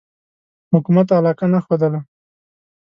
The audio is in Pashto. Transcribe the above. حکومت علاقه نه ښودله.